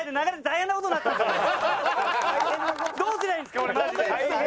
どうすりゃいいんですか俺マジで。